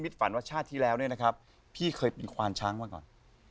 ฝันว่าชาติที่แล้วเนี่ยนะครับพี่เคยเป็นควานช้างมาก่อน